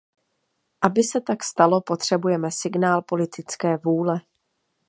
Aby se tak stalo, potřebujeme signál politické vůle.